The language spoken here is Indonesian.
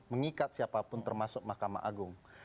mengikat siapapun termasuk mahkamah agung